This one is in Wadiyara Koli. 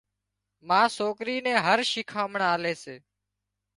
ما سوڪري نين هر شيکانمڻ آلي سي